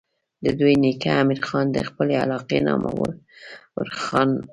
د دوي نيکه امير خان د خپلې علاقې نامور خان وو